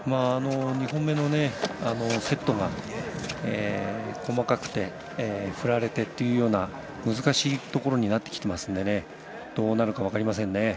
２本目のセットが細かくて振られてというような難しいところになってきていますのでどうなるか分かりませんね。